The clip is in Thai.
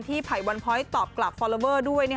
ที่ไผ่วันพ้อยตอบกรับฟอร์เลเวอร์ด้วย